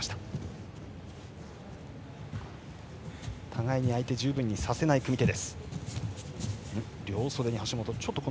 互いに相手十分にさせない組み手。